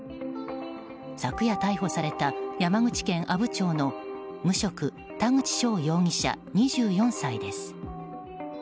昨夜、逮捕された山口県阿武町の無職田口翔容疑者、２４歳です。